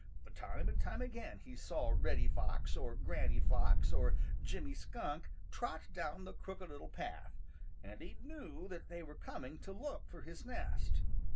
Time and time again he saw Reddy Fox or Granny Fox or Jimmy Skunk trot down the Crooked Little Path and he knew that they were coming to look for his nest.